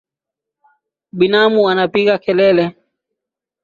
Binamu anapiga kelele.